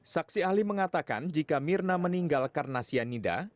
saksi ahli mengatakan jika mirna meninggal karena cyanida